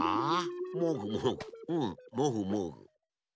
もぐもぐうんもぐもぐ。